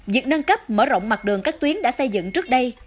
việc nâng cấp mở rộng mặt đường các tuyến đã xây dựng trước đây